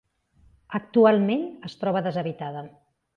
Actualment es troba deshabitada.